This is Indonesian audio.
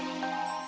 tinggal deket sini